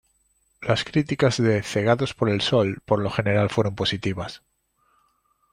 Las críticas de "Cegados por el sol" por lo general fueron positivas.